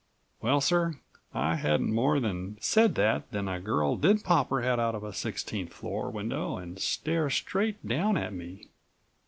"Well, sir, I hadn't more than said that than22 a girl did pop her head out of a sixteenth floor window and stare straight down at me.